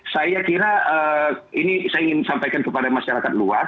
saya kira ini saya ingin sampaikan kepada masyarakat luas